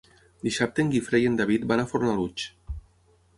Dissabte en Guifré i en David van a Fornalutx.